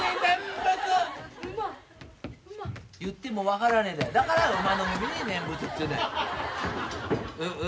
言っても分からねえ。